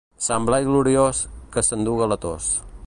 Sant Blai gloriós, que s'enduga la tos.